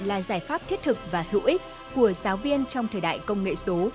là giải pháp thiết thực và hữu ích của giáo viên trong thời đại công nghệ số